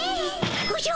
おじゃ！